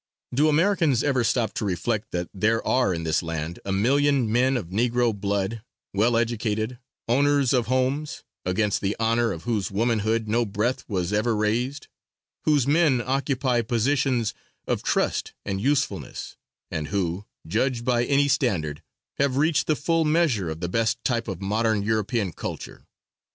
Do Americans ever stop to reflect that there are in this land a million men of Negro blood, well educated, owners of homes, against the honor of whose womanhood no breath was ever raised, whose men occupy positions of trust and usefulness, and who, judged by any standard, have reached the full measure of the best type of modern European culture?